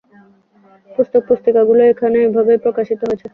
পুস্তক-পুস্তিকাগুলি এখানে এভাবেই প্রকাশিত হয়েছে।